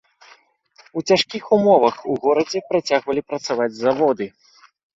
У цяжкіх умовах у горадзе працягвалі працаваць заводы.